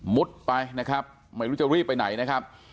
ไปนะครับไม่รู้จะรีบไปไหนนะครับ